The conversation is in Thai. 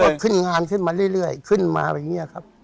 ก็ขึ้นงานขึ้นมาเรื่อยขึ้นมาแบบนี้ครับ